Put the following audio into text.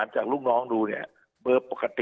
จากลูกน้องดูเบอร์ปกติ